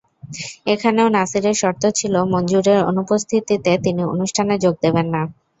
এখানেও নাছিরের শর্ত ছিল মনজুরের অনুপস্থিতিতে তিনি অনুষ্ঠানে যোগ দেবেন না।